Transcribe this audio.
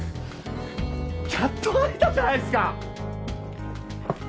やっと会えたじゃないですか。